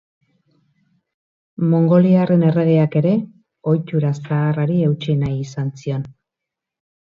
Mongoliarren erregeak ere ohitura zaharrari eutsi nahi izan zion.